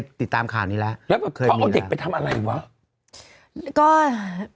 สเต็มเซลล์เหรอ